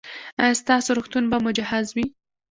ایا ستاسو روغتون به مجهز وي؟